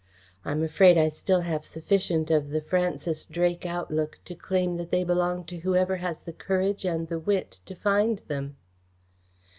I am afraid I still have sufficient of the Francis Drake outlook to claim that they belong to whoever has the courage and the wit to find them."